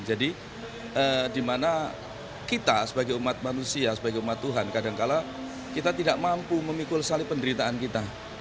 jadi di mana kita sebagai umat manusia sebagai umat tuhan kadangkala kita tidak mampu memikul salib penderitaan kita